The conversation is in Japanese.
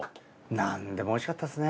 なんでもおいしかったですね。